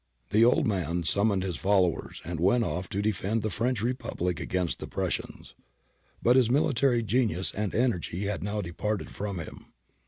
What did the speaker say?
The old man summoned his followers and went off to de fend the French Republic against the Prussians. But his military genius and energy had now departed from him.